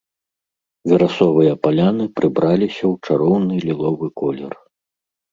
Верасовыя паляны прыбраліся ў чароўны ліловы колер.